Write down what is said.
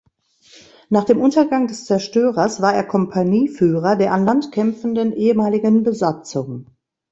Nach dem Untergang des Zerstörers war er Kompanieführer der an Land kämpfenden ehemaligen Besatzung.